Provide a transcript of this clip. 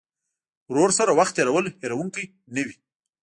ورور سره وخت تېرول هېرېدونکی نه وي.